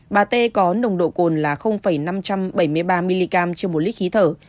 bà tê có nồng độ cồn là năm trăm bảy mươi ba mg trên một lít khí thở